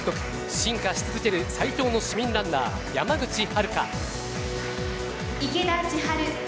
進化し続ける最強の市民ランナー山口遥。